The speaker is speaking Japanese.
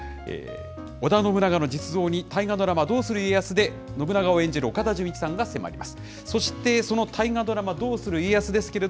織田信長の実像に、大河ドラマ、どうする家康で信長を演じる岡田准一さんが迫ります。